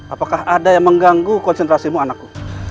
apakah ada yang mengganggu konsentrasimu anakku